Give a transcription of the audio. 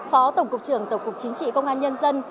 phó tổng cục trưởng tổng cục chính trị công an nhân dân